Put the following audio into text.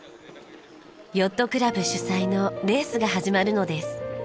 ヨットクラブ主催のレースが始まるのです。